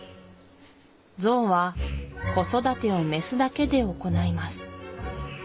ゾウは子育てをメスだけで行います